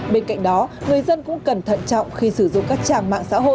bên cạnh đó người dân cũng cần thận trọng khi sử dụng các trang mạng xã hội